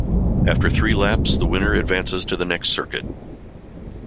After three laps the winner advances to the next circuit.